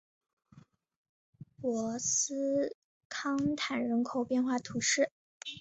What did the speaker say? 博斯康坦人口变化图示